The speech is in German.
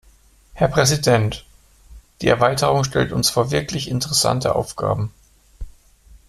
Herr Präsident! Die Erweiterung stellt uns vor wirklich interessante Aufgaben.